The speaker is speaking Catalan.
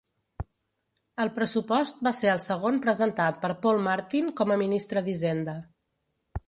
El pressupost va ser el segon presentat per Paul Martin com a ministre d'Hisenda.